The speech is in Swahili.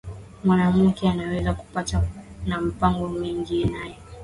Mwanamuke anaweza kupata ma mpango mingi naye